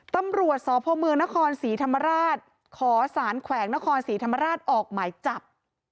ตำรวจสพเมืองนครศรีธรรมราชขอสารแขวงนครศรีธรรมราชออกหมายจับ